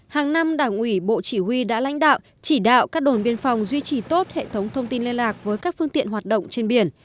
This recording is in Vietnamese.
hàng năm đảng ủy bộ chỉ huy đã lãnh đạo chỉ đạo các đồn biên phòng duy trì tốt hệ thống thông tin liên lạc với các phương tiện hoạt động trên biển